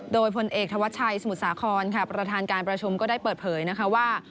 โดยพลเอกธวัชชัยสมุทรสาครค่ะประธานการประชุมก็ได้เปิดเผยนะคะว่า